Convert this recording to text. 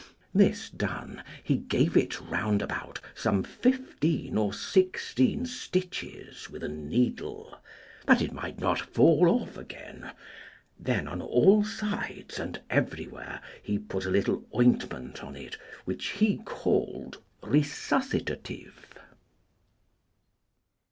This done, he gave it round about some fifteen or sixteen stitches with a needle that it might not fall off again; then, on all sides and everywhere, he put a little ointment on it, which he called resuscitative.